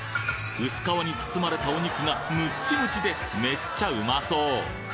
薄皮に包まれたお肉がムッチムチでめっちゃうまそう！